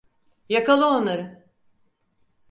Yakala onları!